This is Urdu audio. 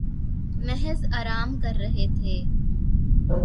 محض آرام کررہے تھے